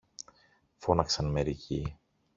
φώναξαν μερικοί.